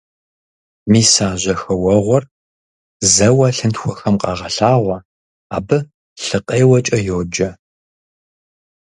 Мис а жьэхэуэгъуэр зэуэ лъынтхуэхэм къагъэлъагъуэ, абы лъыкъеуэкӀэ йоджэ.